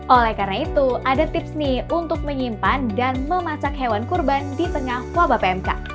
oleh karena itu ada tips nih untuk menyimpan dan memasak hewan kurban di tengah wabah pmk